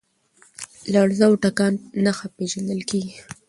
لرزه او تکان نښه پېژندل کېږي.